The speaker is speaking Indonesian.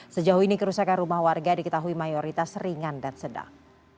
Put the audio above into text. sejauh ini kerusakan rumah warga diketahui mayoritas ringan dan sedang